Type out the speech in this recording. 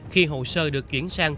khi hồ sơ được chuyển sang